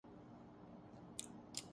تم ادھر سے مت جانا